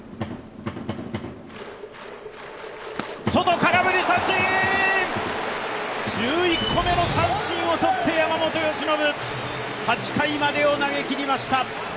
外空振り三振、１１個目の三振を取って山本由伸、８回までを投げ切りました。